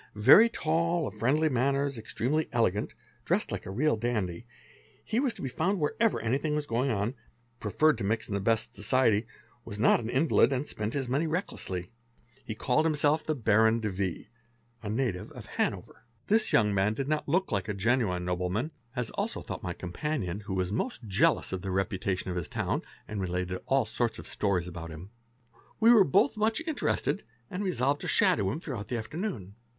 Very tall, of friendly manners, ex tremely elegant, dressed like a real dandy, he was to be found wherever tr 5 tything was going on, preferred to mix in the best society, was not an lid, and spent his money recklessly. He called himself the Baron de V., a native of Hanover. '| 39 306 PRACTICES OF CRIMINALS This young man did not look like a genuine nobleman, as also thought my companion, who was most jealous of the reputation of his town | and related all sorts of stories about him. We were both much inter — ested and resolved to shadow him throughout the afternoon.